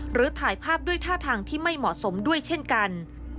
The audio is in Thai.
ถ่ายภาพด้วยท่าทางที่ไม่เหมาะสมด้วยเช่นกัน